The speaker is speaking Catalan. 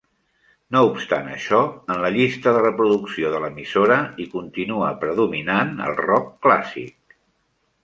No obstant això, en la llista de reproducció de l'emissora hi continua predominant el rock clàssic.